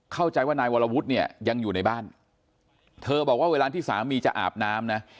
เข้าใจว่านายวรวุฒิเนี่ยยังอยู่ในบ้านเธอบอกว่าเวลาที่สามีจะอาบน้ำนะ